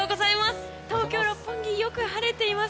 東京・六本木よく晴れています。